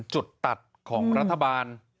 จุดตัดของรัฐบาล